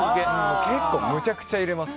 むちゃくちゃ入れます。